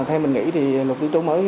theo mình nghĩ thì lục tư trú mới